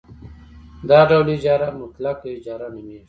دا ډول اجاره مطلقه اجاره نومېږي